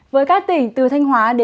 với các tỉnh từ thanh hóa đến hà nội